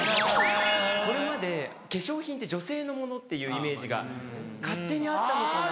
これまで化粧品って女性のものっていうイメージが勝手にあったのかなと。